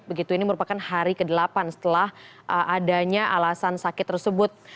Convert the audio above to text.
begitu ini merupakan hari ke delapan setelah adanya alasan sakit tersebut